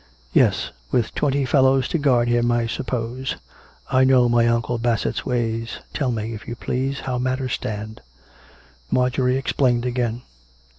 " Yes, with twenty fellows to guard him, I suppose. I know my Uncle Bassett's ways. ... Tell me, if you please, how matters stand." Marjorie explained again.